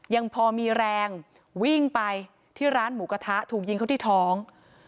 ยังพอมีแรงวิ่งไปที่ร้านหมูกระทะถูกยิงเขาที่ท้อง